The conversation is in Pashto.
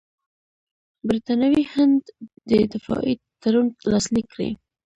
برټانوي هند دې دفاعي تړون لاسلیک کړي.